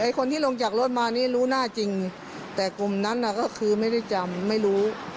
คนที่ลงจากรถมานี่รู้หน้าจริงแต่กลุ่มนั้นก็คือไม่ได้จำไม่รู้